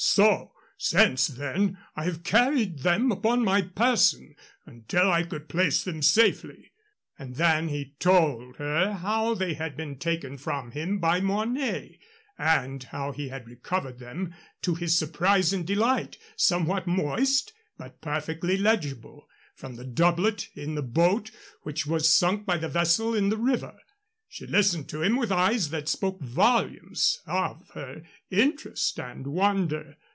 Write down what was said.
So since then I have carried them upon my person, until I could place them safely." And then he told her how they had been taken from him by Mornay, and how he had recovered them, to his surprise and delight, somewhat moist but perfectly legible, from the doublet in the boat which was sunk by the vessel in the river. She listened to him with eyes that spoke volumes of her interest and wonder.